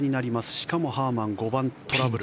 しかもハーマン、５番トラブル。